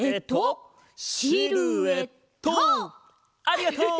ありがとう！